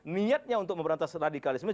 niatnya untuk memberantas radikalisme